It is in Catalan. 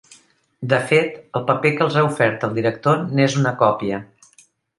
De fet, el paper que els ha ofert el director n'és una còpia.